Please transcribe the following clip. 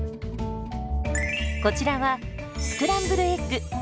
こちらはスクランブルエッグ。